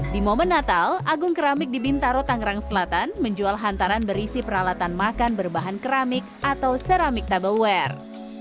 di momen natal agung keramik di bintaro tangerang selatan menjual hantaran berisi peralatan makan berbahan keramik atau ceramik tableware